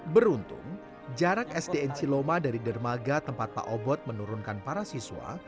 beruntung jarak sdn ciloma dari dermaga tempat pak obot menurunkan para siswa